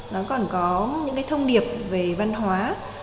nó còn có những cái thông điệp về văn hóa